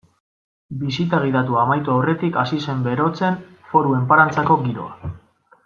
Bisita gidatua amaitu aurretik hasi zen berotzen Foru Enparantzako giroa.